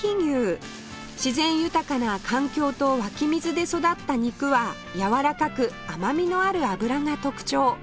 自然豊かな環境と湧き水で育った肉はやわらかく甘みのある脂が特徴